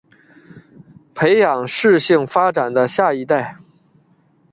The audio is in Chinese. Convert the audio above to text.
培养适性发展的下一代